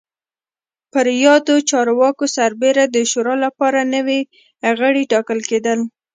پر یادو چارواکو سربېره د شورا لپاره نوي غړي ټاکل کېدل